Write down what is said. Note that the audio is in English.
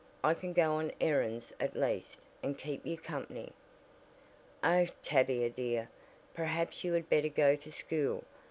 I can go on errands at least, and keep you company." "Oh, Tavia, dear, perhaps you had better go to school.